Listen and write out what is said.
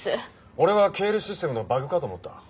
俺は経理システムのバグかと思った。